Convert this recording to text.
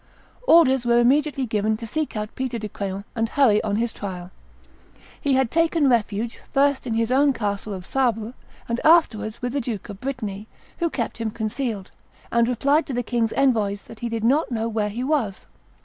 Orders were immediately given to seek out Peter de Craon, and hurry on his trial. He had taken refuge, first in his own castle of Sable, and afterwards with the Duke of Brittany, who kept him concealed, and replied to the king's envoys that he did not know where he was.